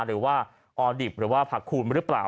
หรือว่าออดิบหรือว่าผักคูณหรือเปล่า